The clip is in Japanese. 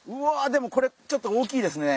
でもこれちょっと大きいですね